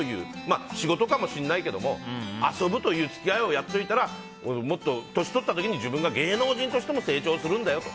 仕事かもしれないけども遊ぶという付き合いをやっておいてたらもっと年取った時に自分が芸能人としても成長するんだよと。